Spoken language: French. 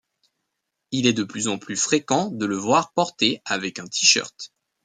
Il est de plus en plus fréquent de le voir porté avec un T-shirt.